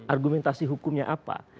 argumentasi hukumnya apa